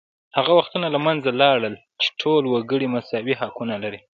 هغه وختونه له منځه لاړل چې ټول وګړي مساوي حقوق لري